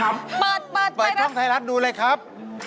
โอ้ใช่เลยครับ